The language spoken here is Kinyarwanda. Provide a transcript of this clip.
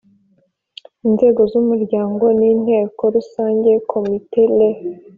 Inzego z umuryango ni Inteko Rusange Komite Les